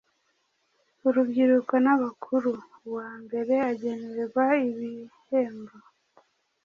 urubyiruko n'abakuru. Uwa mbere agenerwa ibhembo